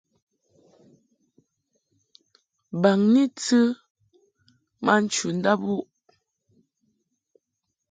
Baŋni tɨ ma nchundab wuʼ.